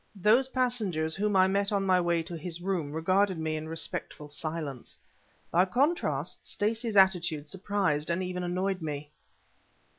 Those passengers whom I met on my way to his room regarded me in respectful silence. By contrast, Stacey's attitude surprised and even annoyed me.